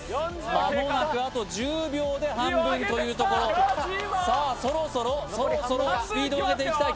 間もなくあと１０秒で半分というところさあそろそろそろそろ半分いきましたよ